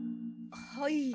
はい。